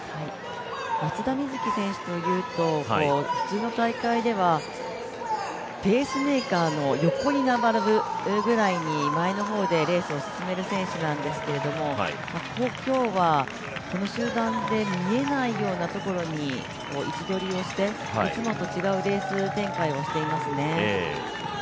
松田瑞生選手というと、大会ではペースメーカーの横に並ぶぐらいに前の方でレースを進める選手なんですけれども、今日はこの集団で見えないようなところに位置取りをしていつもと違うレース展開をしていますね。